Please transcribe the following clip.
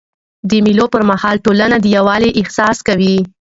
د مېلو پر مهال ټولنه د یووالي احساس کوي.